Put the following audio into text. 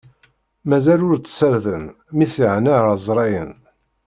Mazal ur t-ssarden, mi t-yeɛna ɛezṛayen.